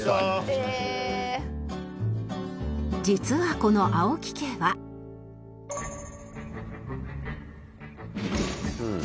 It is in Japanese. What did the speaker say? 実はこの青木家はうん。